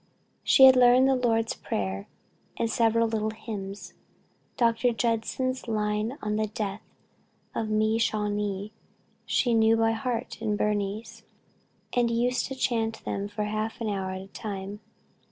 She had learned the Lord's prayer and several little hymns. Dr. Judson's lines on the death of Mee Shawayee she knew by heart in Burmese, and used to chant them for half an hour at a time....